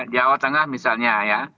jawa tengah misalnya ya